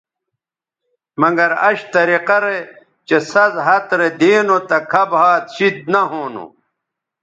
مگر اش طریقہ رے چہء سَز ھَت رے دی نو تہ کھب ھَات شید نہ ھونو